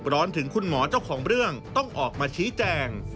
ถึงคุณหมอเจ้าของเรื่องต้องออกมาชี้แจง